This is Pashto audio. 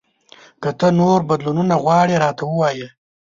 که ته نور بدلونونه غواړې، راته ووایه !